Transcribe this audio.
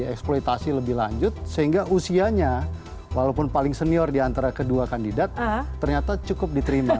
eksploitasi lebih lanjut sehingga usianya walaupun paling senior diantara kedua kandidat ternyata cukup diterima